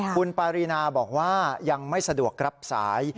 คุณปารีนาบอกว่ายังไม่สะดวกรับสาย